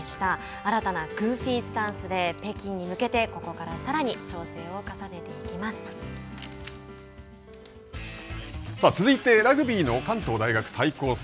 新たなグーフィースタンスで北京に向けてここからさらに続いてラグビーの関東大学対抗戦。